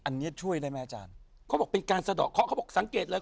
อันนี้ช่วยได้ไหมอาจารย์เขาบอกเป็นการสะดอกเคาะเขาบอกสังเกตเลย